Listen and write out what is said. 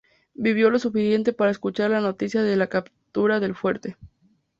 Vivió lo suficiente para escuchar las noticias de la captura del fuerte.